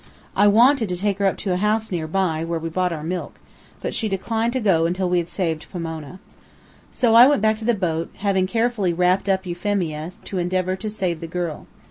I wanted to take her up to a house near by, where we bought our milk, but she declined to go until we had saved Pomona. So I went back to the boat, having carefully wrapped up Euphemia, to endeavor to save the girl.